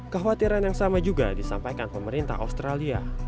kekhawatiran yang sama juga disampaikan pemerintah australia